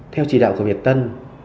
theo chỉ đạo của việt tân